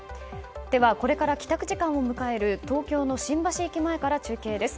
ではこれから帰宅時間を迎える東京の新橋駅前から中継です。